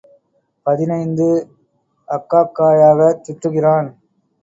பதினைந்து அக்காக்காயாகச் சுற்றுகிறான்.